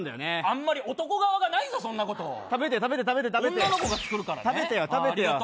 あんまり男側がないぞそんなこと食べて食べて食べて食べて女の子が作るからねありがとう食べてよ